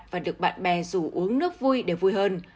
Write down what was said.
và được bạn bè rủ uống nước vui đều vui hơn